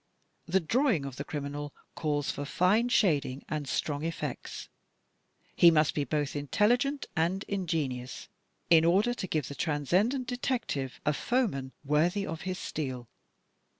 The drawing of the criminal calls for fine shading and strong effects. He must be both intelligent and ingenious, in order to give the Transcendent Detective a foeman worthy of his steel.